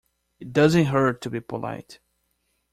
It doesn't hurt to be polite.